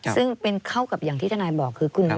ซึ่งเป็นเข้ากับอย่างที่ทนายบอก